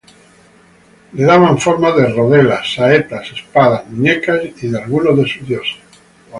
Le daban formas de rodela, saetas, espadas, muñecas y de algunos de sus dioses.